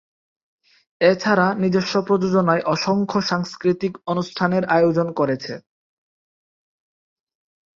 এছাড়া নিজস্ব প্রযোজনায় অসংখ্য সাংস্কৃতিক অনুষ্ঠানের আয়োজন করেছে।